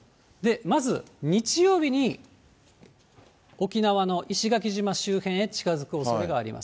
まず、日曜日に沖縄の石垣島周辺へ近づくおそれがあります。